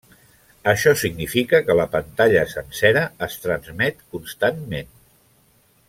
Això significa que la pantalla sencera es transmet constantment.